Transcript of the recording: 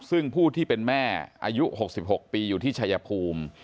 ซึ่งผู้ที่เป็นแม่อายุ๖๖ปีอยู่ที่ชายภูมิ